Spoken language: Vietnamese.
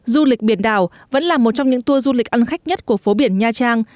du lịch biển đảo vẫn là một trong những tour du lịch ăn khách nhất của phố biển nha trang